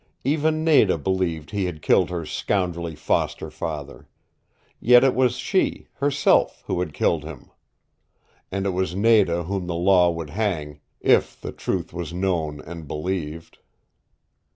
Even Nada believed he had killed her scoundrelly foster father. Yet it was she herself who had killed him! And it was Nada whom the law would hang, if the truth was known and believed.